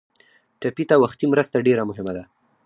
ټپي ته وختي مرسته ډېره مهمه ده.